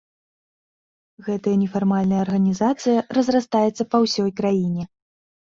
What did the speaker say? Гэтая нефармальная арганізацыя разрастаецца па ўсёй краіне.